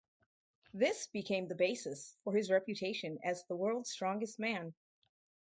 This became the basis for his reputation as the "World's Strongest Man".